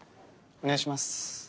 お願いします。